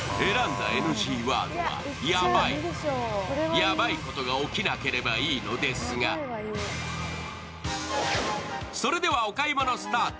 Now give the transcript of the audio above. やばいことが起きなければいいのですがそれではお買い物スタート。